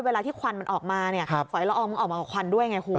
เวลาที่ควันมันออกมาเนี่ยฝอยละอองมันออกมากับควันด้วยไงคุณ